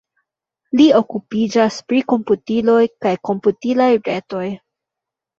Li okupiĝas pri komputiloj kaj komputilaj retoj.